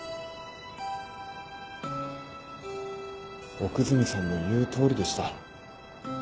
奥泉さんの言う通りでした。